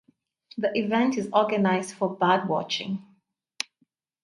The event is organized for birdwatching.